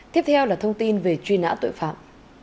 tiếp theo là thông tin về truy nã tội phạm